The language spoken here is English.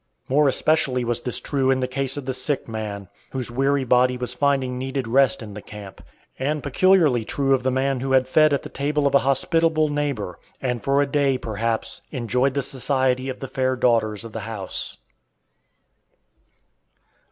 More especially was this true in the case of the sick man, whose weary body was finding needed rest in the camp; and peculiarly true of the man who had fed at the table of a hospitable neighbor, and for a day, perhaps, enjoyed the society of the fair daughters of the house.